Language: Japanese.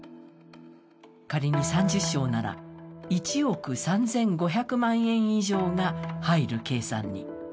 仮に３０床なら、１億３５００万円以上が入る計算に。